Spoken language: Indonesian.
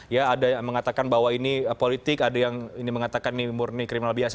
ya ada yang mengatakan bahwa ini politik ada yang ini mengatakan ini murni kriminal biasa